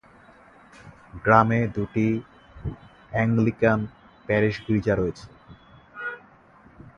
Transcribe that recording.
গ্রামে দুটি Anglican parish গির্জা রয়েছে।